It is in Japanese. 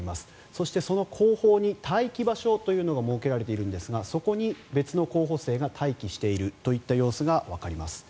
そして、その後方に待機場所というのが設けられているんですがそこに別の候補生が待機しているといった様子がわかります。